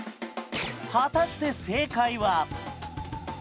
果たして正解は。